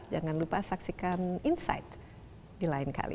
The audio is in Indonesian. jangan lupa saksikan insight di lain kali